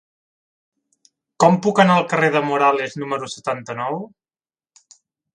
Com puc anar al carrer de Morales número setanta-nou?